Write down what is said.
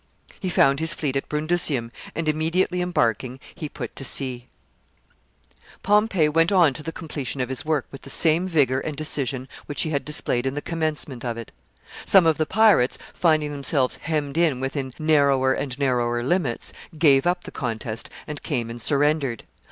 He found his fleet at Brundusium, and, immediately embarking, he put to sea. [Sidenote: Some of them surrender.] Pompey went on to the completion of his work with the same vigor and decision which he had displayed in the commencement of it. Some of the pirates, finding themselves hemmed in within narrower and narrower limits, gave up the contest, and came and surrendered.